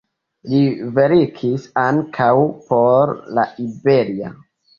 Li verkis ankaŭ por "La Iberia".